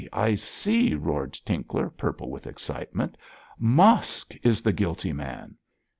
I see!' roared Tinkler, purple with excitement. 'Mosk is the guilty man!'